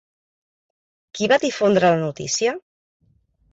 Qui va difondre la notícia?